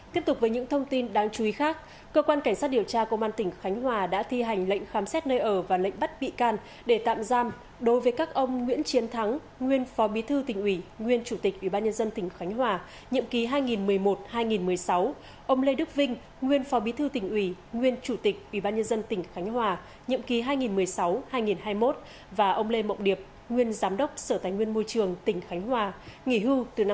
tiếp tục với những thông tin đáng chú ý khác cơ quan cảnh sát điều tra công an tỉnh khánh hòa đã thi hành lệnh khám xét nơi ở và lệnh bắt bị can để tạm giam đối với các ông nguyễn chiến thắng nguyên phó bí thư tỉnh ủy nguyên chủ tịch ủy ban nhân dân tỉnh khánh hòa nhiệm ký hai nghìn một mươi một hai nghìn một mươi sáu ông lê đức vinh nguyên phó bí thư tỉnh ủy nguyên chủ tịch ủy ban nhân dân tỉnh khánh hòa nhiệm ký hai nghìn một mươi sáu hai nghìn hai mươi một và ông lê mộng điệp nguyên giám đốc sở tài nguyên môi trường tỉnh khánh h